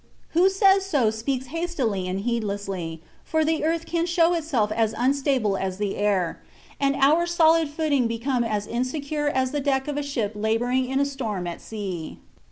Who says so speaks hastily and heedlessly, for the earth can show itself as unstable as the air, and our solid footing become as insecure as the deck of a ship laboring in a storm at sea.